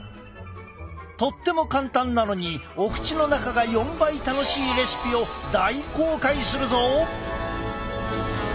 とっても簡単なのにお口の中が４倍楽しいレシピを大公開するぞ！